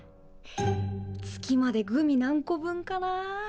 月までグミ何個分かな。